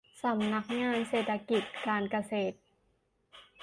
สำนักงานเศรษฐกิจการเกษตร